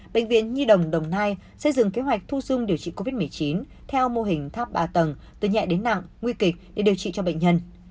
bệnh viện nhi đồng đồng nai xây dựng kế hoạch thu dung điều trị covid một mươi chín theo mô hình tháp ba tầng từ nhẹ đến nặng nguy kịch để điều trị cho bệnh nhân